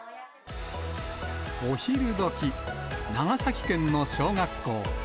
お昼どき、長崎県の小学校。